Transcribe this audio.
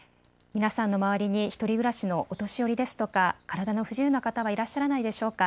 皆さんの周りに１人暮らしのお年寄りですとか体の不自由な方はいらっしゃらないでしょうか。